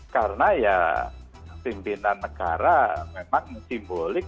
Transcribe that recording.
karena ya pimpinan negara memang simbolik